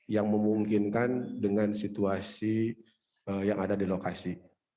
yang memungkinkan dengan situasi yang ada di lokasi